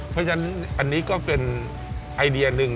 เพราะฉะนั้นอันนี้ก็เป็นไอเดียหนึ่ง